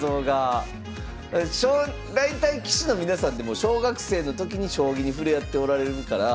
大体棋士の皆さんってもう小学生の時に将棋に触れておられるから。